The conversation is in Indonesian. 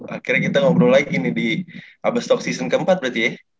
akhirnya kita ngobrol lagi di abas talk season keempat berarti ya